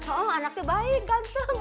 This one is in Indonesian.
oh anaknya baik ganteng